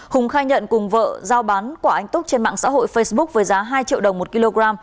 hùng khai nhận cùng vợ giao bán quả anh túc trên mạng xã hội facebook với giá hai triệu đồng một kg